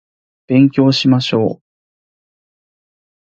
勉強しましょう